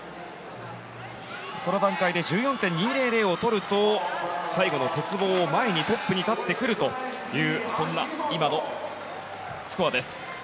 この段階で１４．２００を取ると最後の鉄棒を前にトップに立ってくるというそんな今のスコアです。